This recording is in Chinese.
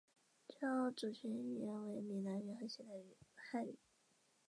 主要族群语言为闽南语和现代汉语。